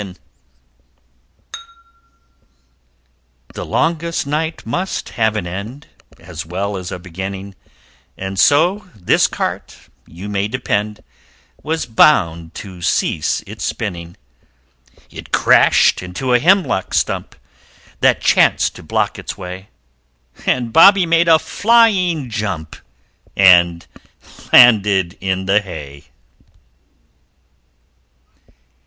The longest night must have an end As well as a beginning; And so this Cart, you may depend, Was bound to cease its spinning It crashed into a hemlock Stump That chanced to block its way, And Bobby made a flying jump And landed in the hay!